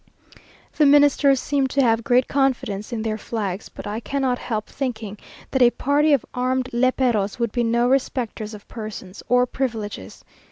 The Ministers seem to have great confidence in their flags but I cannot help thinking that a party of armed léperos would be no respecters of persons or privileges!